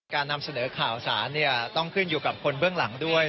การนำเสนอข่าวสารต้องขึ้นอยู่กับคนเบื้องหลังด้วย